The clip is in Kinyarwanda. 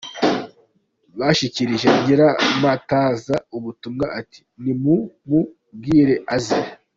" Bashyikirije Nyiramataza ubutumwa ati "Nimumubwire aze.